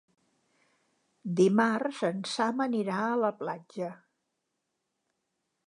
Dimarts en Sam anirà a la platja.